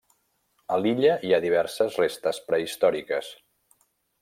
A l'illa hi ha diverses restes prehistòriques.